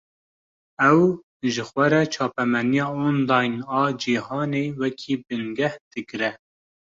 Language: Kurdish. Ew, ji xwe re çapemeniya online a cîhanê, wekî bingeh digre